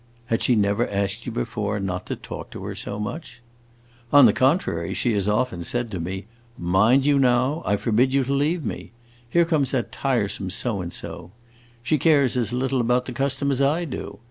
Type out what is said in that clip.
"Had she never asked you before not to talk to her so much?" "On the contrary, she has often said to me, 'Mind you now, I forbid you to leave me. Here comes that tiresome So and so.' She cares as little about the custom as I do.